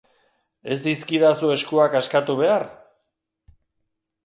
Ez dizkidazu eskuak askatu behar?